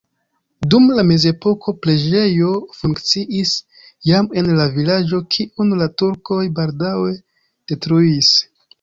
Dum la mezepoko preĝejo funkciis jam en la vilaĝo, kiun la turkoj baldaŭe detruis.